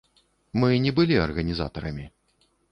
Мы не былі арганізатарамі.